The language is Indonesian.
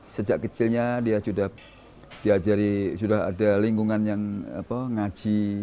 sejak kecilnya dia sudah diajari sudah ada lingkungan yang ngaji